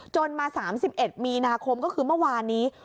มา๓๑มีนาคมก็คือเมื่อวานนี้